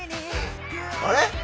あれ？